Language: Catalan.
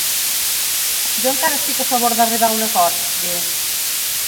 Jo encara estic a favor d’arribar a un acord, diu.